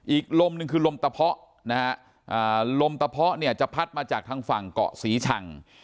อีกลมหนึ่งคือลมตะเพาะนะฮะลมตะเพาะเนี่ยจะพัดมาจากทางฝั่งเกาะศรีชัง